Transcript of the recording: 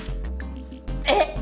えっ！？